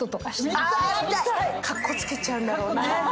カッコつけちゃうんだろうな。